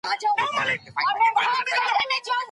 د افلاطون جمهور کتاب په لوېديځ کي مشهور دی.